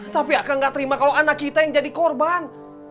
tapi akan gak terima kalau anak kita yang jadi korban